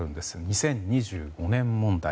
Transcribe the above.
２０２５年問題。